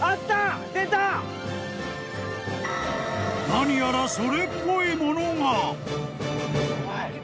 ［何やらそれっぽいものが］